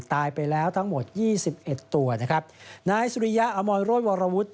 ตายไปแล้วทั้งหมดยี่สิบเอ็ดตัวนะครับนายสุริยะอมรโรธวรวุฒิ